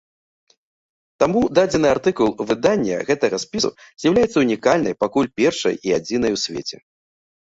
Таму дадзены артыкул выдання гэтага спісу з'яўляецца ўнікальнай, пакуль першай і адзінай у свеце.